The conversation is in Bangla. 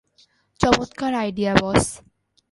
চমৎকার আইডিয়া, বস!